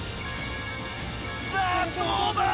さあどうだ？